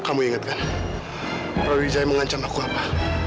kamu ingatkan prabowo wijaya mengancam aku apa